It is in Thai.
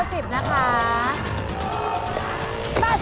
ถูกกว่า๘๐บาท